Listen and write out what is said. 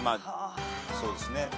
そうですね。